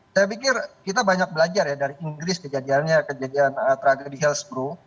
saya pikir kita banyak belajar ya dari inggris kejadiannya kejadian tragedy health bro